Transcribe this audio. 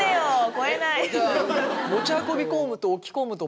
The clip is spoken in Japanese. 超えない。